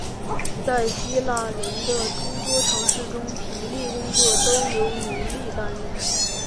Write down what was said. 在希腊人的诸多城市中体力工作都由奴隶担任。